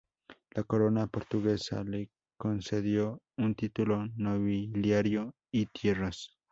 La corona portuguesa le concedió un título nobiliario y tierras.